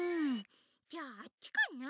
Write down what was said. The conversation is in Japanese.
・じゃああっちかな？